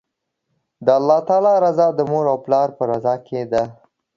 د الله تعالی رضا، د مور او پلار په رضا کی ده